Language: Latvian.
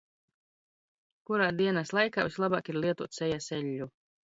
Kurā dienas laikā vislabāk ir lietot sejas eļļu?